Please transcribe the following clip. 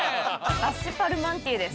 アッシパルマンティエです